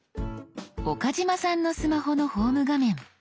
岡嶋さんのスマホのホーム画面。